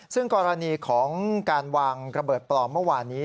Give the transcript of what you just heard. ซึ่งกรณีของการวางระเบิดปลอมเมื่อวานนี้